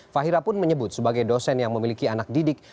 fahira pun menyebut sebagai dosen yang memiliki anak didik